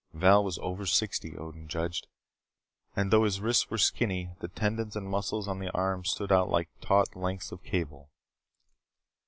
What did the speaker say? Val was over sixty, Odin judged, and though his wrists were skinny the tendons and muscles on his arms stood out like taut lengths of cable.